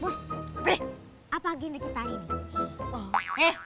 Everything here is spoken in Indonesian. eh apa agenda kita hari ini